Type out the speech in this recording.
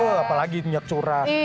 apalagi minyak curah